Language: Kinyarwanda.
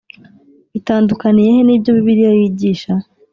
bitandukaniye he n’ibyo bibiliya yigisha?